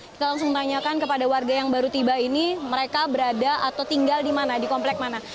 kita langsung tanyakan kepada warga yang baru tiba ini mereka berada atau tinggal di mana di komplek mana